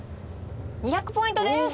２００ポイントです。